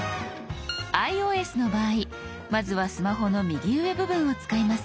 ｉＯＳの場合まずはスマホの右上部分を使います。